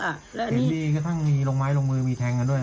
เละบอไทยถึงเรียกว่ามีร่องไม้ร่องมือมีแธงกันด้วย